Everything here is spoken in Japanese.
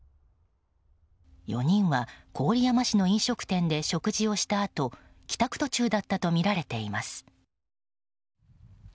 ４人は郡山市の飲食店で食事をしたあと帰宅途中だったとみられています。